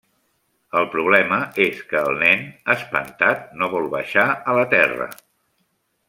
El problema és que el nen, espantat, no vol baixar a la Terra.